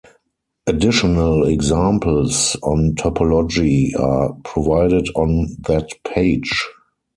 Additional examples on topology are provided on that page.